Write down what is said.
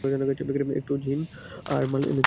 একটু জিন আর মাল এনে দিই?